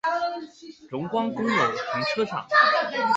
榮光公有停車場